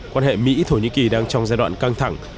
quan hệ mỹ thổ nhĩ kỳ đang trong giai đoạn căng thẳng